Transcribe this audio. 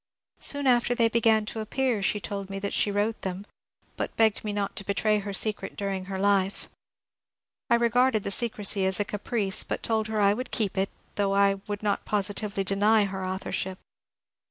Soon after they began to appear she told me that she wrote them, but begged me not 1^ to betray her secret during her life. I regarded the secrecy as a caprice, but told her I would keep it, though I would not positively deny her authorship.